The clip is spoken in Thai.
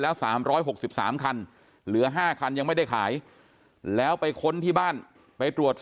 แล้ว๓๖๓คันเหลือ๕คันยังไม่ได้ขายแล้วไปค้นที่บ้านไปตรวจ